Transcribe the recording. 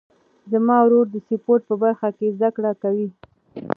زما ورور د سپورټ په برخه کې زده کړې کوي.